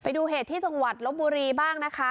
ไปดูเหตุที่จังหวัดลบบุรีบ้างนะคะ